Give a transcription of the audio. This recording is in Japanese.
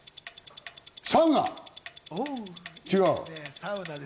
サウナ。